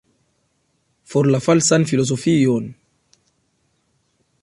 For la falsan filozofion!